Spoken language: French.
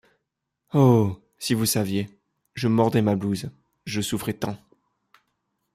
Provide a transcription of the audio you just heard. Oh ! si vous saviez, je mordais ma blouse, je souffrais tant !